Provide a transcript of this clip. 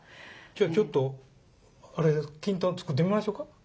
じゃあちょっときんとん作ってみましょうか？